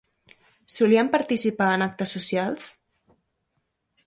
Solien participar en actes socials?